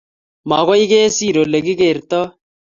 Magoy kesiir olegigertoi